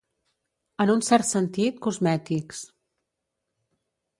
En un cert sentit, cosmètics.